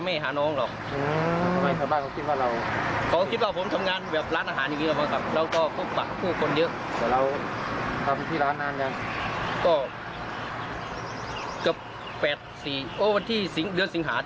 มีบัตรบังเกียจเนอะมีบัตรบังเกียจเนอะ